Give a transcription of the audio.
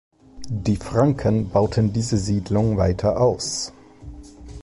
Die Franken bauten diese Siedlung weiter aus.